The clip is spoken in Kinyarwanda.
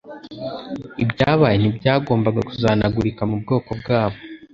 Ibyabaye ntibyagombaga kuzahanagurika mu bwonko bwabo.